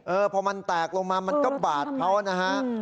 เออพอมันแตกลงมามันก็บาดเขานะฮะ